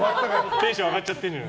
テンション上がっちゃってるじゃん。